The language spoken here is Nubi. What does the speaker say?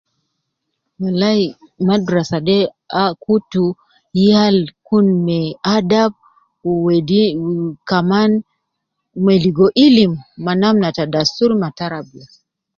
Walai madrasa de ah kutu yal.kun me adab wu wedi wu Kaman me ligo ilim ma namna ta dasturi ma tarabiya